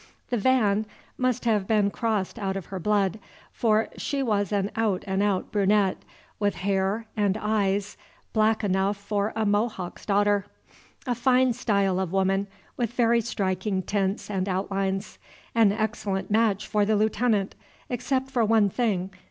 The Van must have been crossed out of her blood, for she was an out and out brunette, with hair and eyes black enough for a Mohawk's daughter. A fine style of woman, with very striking tints and outlines, an excellent match for the Lieutenant, except for one thing.